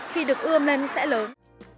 khi được ưa mình sẽ lớn